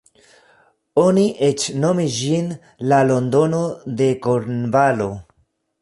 Oni eĉ nomis ĝin "La Londono de Kornvalo".